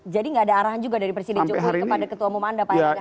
jadi gak ada arahan juga dari presiden cukupur kepada ketua umum anda pak erlangga